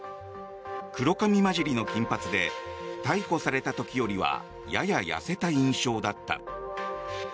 黒髪交じりの金髪で逮捕された時よりはやや痩せた印象だった。